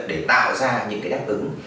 để tạo ra những cái đặc biệt